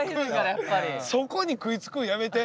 そこに食いつくんやめて！